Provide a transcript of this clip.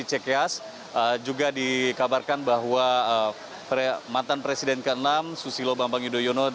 cks juga dikabarkan bahwa mantan presiden ke enam susilo bambang yudhoyono